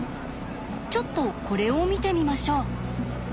ちょっとこれを見てみましょう。